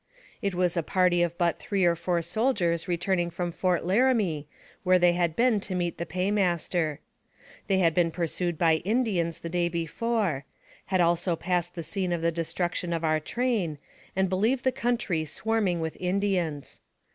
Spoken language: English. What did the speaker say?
It was a party of but three or four soldiers return ing from Fort Laramie, where they had been to meet the paymaster. They had been pursued by Indiana AMONG THE SIOUX INDIANS. 219 the day before; had also passed the scene of the de struction of our train; and believed the country swarming with Indians.